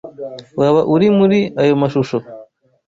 Waba uri muri ayo mashusho?